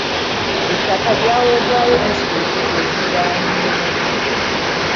Ettaka lyaweebwayo disitulikiti eziriranyeewo.